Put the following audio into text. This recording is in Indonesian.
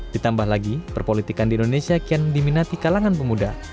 ditambah lagi perpolitikan di indonesia kian diminati kalangan pemuda